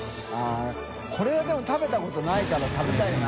海譴でも食べたことないから食べたいな。